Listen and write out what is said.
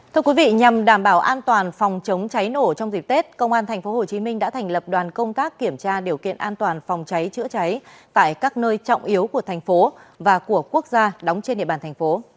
thưa quý vị nhằm đảm bảo an toàn phòng chống cháy nổ trong dịp tết công an tp hcm đã thành lập đoàn công tác kiểm tra điều kiện an toàn phòng cháy chữa cháy tại các nơi trọng yếu của thành phố và của quốc gia đóng trên địa bàn thành phố